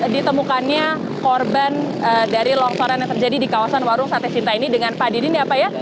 ditemukannya korban dari longsoran yang terjadi di kawasan warung sate sinta ini dengan pak didin ya pak ya